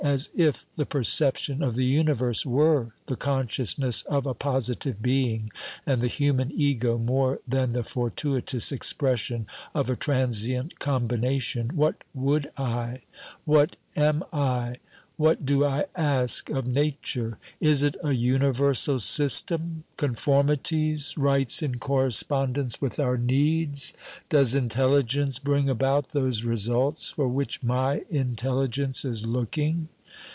As if the perception of the universe were the consciousness of a positive being, and the human ego more than the fortuitous expression of a transient combination ! What would I ? What am I ? What do I ask of Nature ? Is it a universal system, conformities, rights in correspondence with our needs? Does intelligence bring about those results for which my intelligence is looking?